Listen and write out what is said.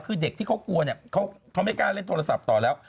คือเด็กที่เขากลัวเนี่ยเขาไม่กล้าเล่นโทรศัพท์ต่อแล้ว